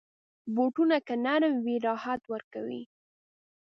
بوټونه که نرم وي، راحت ورکوي.